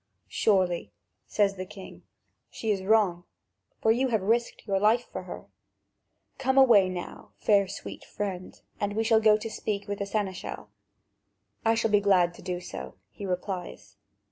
"Surely," says the king, "she is in the wrong, for you have risked your life for her. Come away now, fair sweet friend, and we shall go to speak with the seneschal." "I shall be glad to do so," he replies.